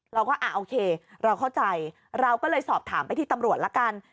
เราก็อ่าโอเคเราเข้าใจเราก็เลยสอบถามไปที่ตำรวจละกัน